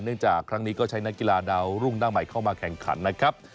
จากครั้งนี้ก็ใช้นักกีฬาดาวรุ่งหน้าใหม่เข้ามาแข่งขันนะครับ